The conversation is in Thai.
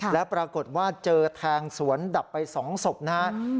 แล้วปรากฏว่าเจอแทงสวนดับไป๒ศพนะครับ